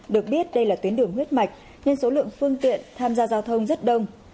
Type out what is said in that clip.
được biết đây là tuyến đường huyết mạch nên số lượng phương tiện tham gia giao thông rất đông